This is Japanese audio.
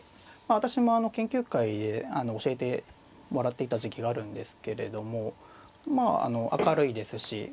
私も研究会で教えてもらっていた時期があるんですけれどもまあ明るいですし